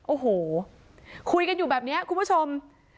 โอ้โหคุยกันอยู่แบบนี้คุณผู้ชม